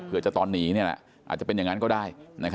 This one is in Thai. เพื่อจะตอนหนีอาจจะเป็นอย่างนั้นก็ได้